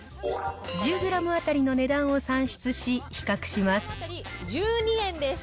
１０グラム当たりの値段を算出し、比較します。